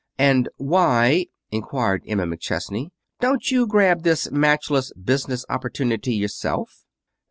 "And why," inquired Emma McChesney, "don't you grab this matchless business opportunity yourself?"